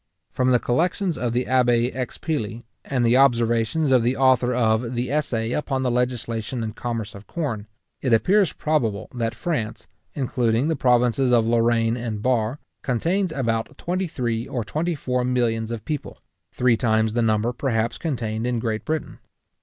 From the Collections of the Abbé Expilly, and the observations of the author of the Essay upon the Legislation and Commerce of Corn, it appears probable that France, including the provinces of Lorraine and Bar, contains about twenty three or twenty four millions of people; three times the number, perhaps, contained in Great Britain.